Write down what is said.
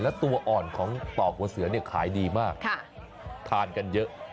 และตัวอ่อนของต่อหัวเสือเนี่ยขายดีมากทานกันเยอะ